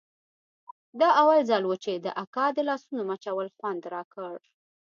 دا اول ځل و چې د اکا د لاسونو مچول خوند راکړ.